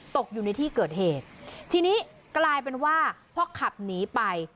ตกอยู่ในที่เกิดเหตุทีนี้กลายเป็นว่าพอขับหนีไป